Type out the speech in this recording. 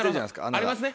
ありますね